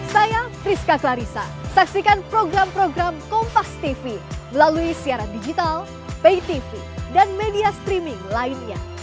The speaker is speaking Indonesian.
saya priska klarissa saksikan program program kompastv melalui siaran digital paytv dan media streaming lainnya